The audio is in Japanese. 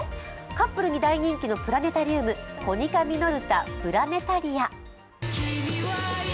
カップルに大人気のプラネタリウム、コニカミノルタプラネタリア。